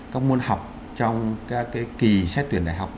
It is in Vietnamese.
các môn học trong các kỳ xét tuyển đại học